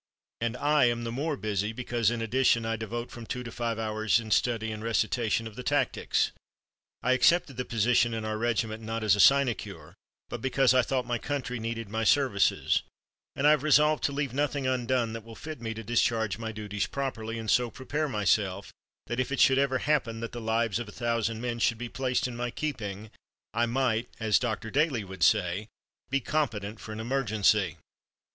And I am the more busy, because in addition I devote from two to five hours in study and recitation of the tactics. I accepted the position in our regiment, not as a sinecure, but because I thought my country needed my services, and I have resolved to leave nothing undone that will fit me to discharge my duties properly, and so prepare myself that if it should ever happen that the lives of a thousand men should be placed in my keeping, I might, as Dr. Daily would say, be competent for an emergency.